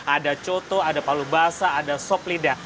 ada coto ada palu basah ada sop lidah